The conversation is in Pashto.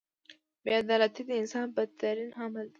• بې عدالتي د انسان بدترین عمل دی.